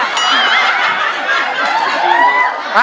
รอครับ